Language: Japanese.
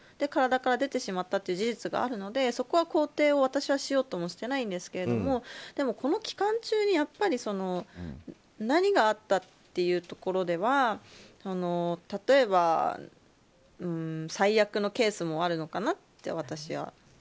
体から出てしまったという事実があるのでそこは肯定を私はしようともしていないんですけれどもでも、この期間中に何があったというところでは例えば、最悪のケースもあるのかなと私は。